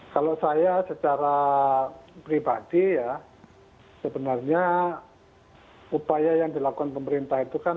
kalau saya secara pribadi ya sebenarnya upaya yang dilakukan pemerintah itu kan